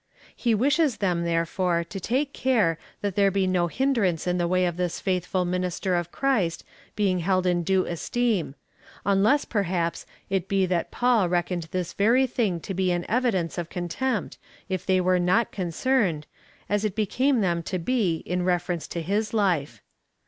He wdshes them, therefore, to take care, that there be no hinderance in the way of this faithful mini ster of Christ being held in due esteem — unless, perhaps, it be that Paul reckoned this very thing to be an evidence of contempt, if they were not concerned, as it became them to be, in reference to his life.